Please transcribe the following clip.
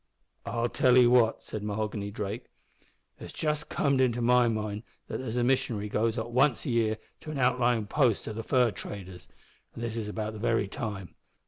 "I'll tell 'ee what," said Mahoghany Drake, "it's just comed into my mind that there's a missionary goes up once a year to an outlyin' post o' the fur traders, an' this is about the very time.